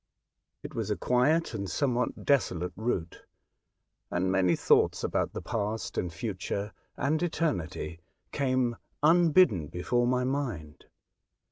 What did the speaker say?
It was a quiet and somewhat desolate route, and many thoughts about the past and future B 2 A Voyage to Other Worlds. and eternity came unbidden before my mind.